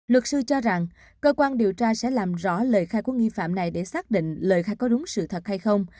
luật sư cho rằng cơ quan điều tra sẽ làm rõ lời khai của nghi phạm này để xác định lời khai có đúng sự thật hay không